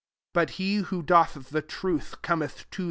21 But he who doth the truth cometh to.